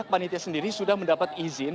panitia sendiri sudah mendapat izin